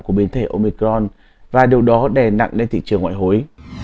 của biến thể omicron và điều đó đè nặng lên thị trường ngoại hối